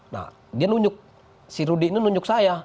nah dia nunjuk si rudy ini nunjuk saya